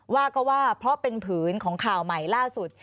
ว่าก็ว่าเพราะเป็นผืนของข่าวใหม่ล่าสุด